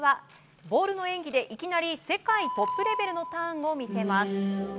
ボールの演技でいきなり世界トップレベルのターンを見せます。